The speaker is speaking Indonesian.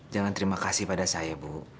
jangan terima kasih pada saya bu